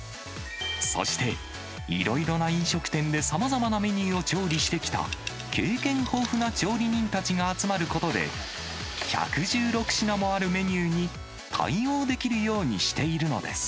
そして、いろいろな飲食店でさまざまなメニューを調理してきた、経験豊富な調理人たちが集まることで、１１６品もあるメニューに対応できるようにしているのです。